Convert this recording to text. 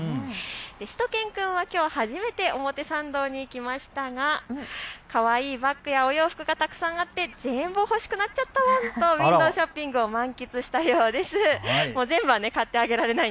しゅと犬くんはきょう初めて表参道に来ましたがきょうはいいバッグやお洋服があって全部欲しくなっちゃったワンとウインドーショッピングを満喫したようです。